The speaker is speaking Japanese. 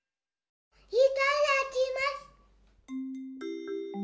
いただきます！